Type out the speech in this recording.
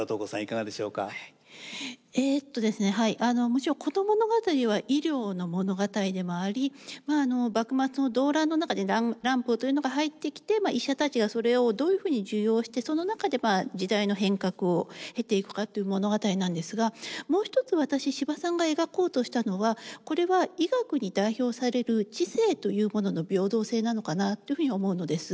えとですねもちろんこの物語は医療の物語でもあり幕末の動乱の中で蘭方というのが入ってきて医者たちがそれをどういうふうに受容してその中で時代の変革を経ていくかという物語なんですがもう一つ私司馬さんが描こうとしたのはこれは医学に代表される知性というものの平等性なのかなというふうに思うのです。